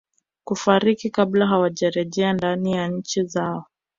kufariki kabla hawajerejea ndani ya nchi zao